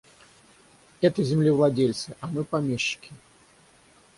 Это землевладельцы, а мы помещики.